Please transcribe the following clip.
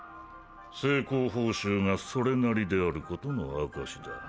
成功報酬がそれなりであることの証しだ。